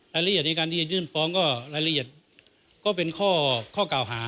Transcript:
รายละเอียดในการที่จะยื่นฟ้องก็รายละเอียดก็เป็นข้อกล่าวหา